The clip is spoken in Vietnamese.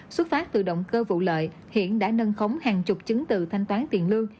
xuất phát từ động cơ vụ lợi hiện đã nâng khống hàng chục chứng từ thanh toán tiền lương